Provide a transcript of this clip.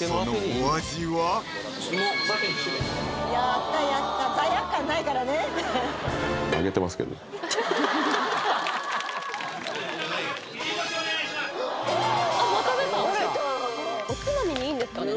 お出たおつまみにいいんですかね？